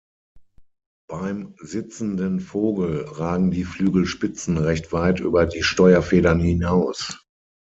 Beim sitzenden Vogel ragen die Flügelspitzen recht weit über die Steuerfedern hinaus.